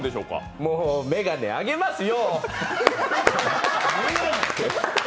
もう、眼鏡あげますよ。